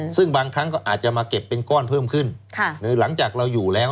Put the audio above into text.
ซึ่งบางครั้งก็อาจจะมาเก็บเป็นก้อนเพิ่มขึ้นหรือหลังจากเราอยู่แล้ว